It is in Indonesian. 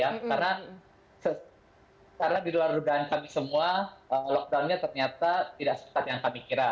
karena di luar udara kami semua lockdownnya ternyata tidak sempat yang kami kira